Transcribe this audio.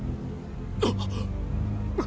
あっ。